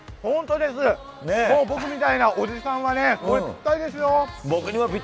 僕みたいなおじさんにはぴったりですよ。